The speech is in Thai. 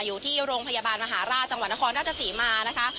อยู่ที่โรงพยาบาลมหาราชจังหวัดนครราชศรีมานะคะ